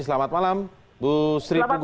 selamat malam bu sri puji